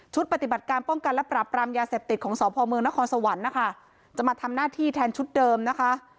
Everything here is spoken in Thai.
ปฏิบัติการป้องกันและปรับปรามยาเสพติดของสพเมืองนครสวรรค์นะคะจะมาทำหน้าที่แทนชุดเดิมนะคะ